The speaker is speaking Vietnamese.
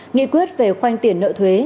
nghị quyết về khoanh tiền nợ thuế